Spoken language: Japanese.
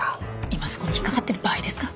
今そこに引っ掛かってる場合ですか？